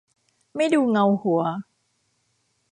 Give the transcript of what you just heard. ไม่ดูเงาหัว